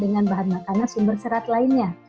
dengan bahan makanan sumber serat lainnya